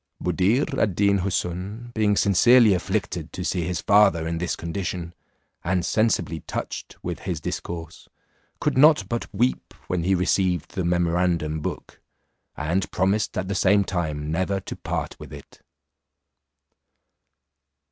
Buddir ad Deen Houssun being sincerely afflicted to see his father in this condition, and sensibly touched with his discourse, could not but weep when he received the memorandum book, and promised at the same time never to part with it.